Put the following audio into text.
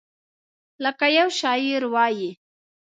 لکه یو شاعر وایي: